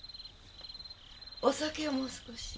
お酒をもう少し。